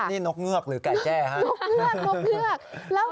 นี่นกเงือกหรือกาแจ่นกเงือกนกเงือก